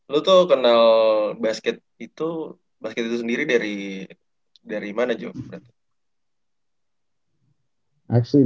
lo tuh kenal basket itu